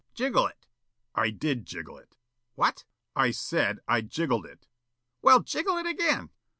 "Jiggle it." "I did jiggle it." "What?" "I said I jiggled it." "Well, jiggle it again."